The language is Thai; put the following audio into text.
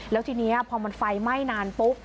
แล้วทีนี้พอมันไฟไหม้นานปุ๊บ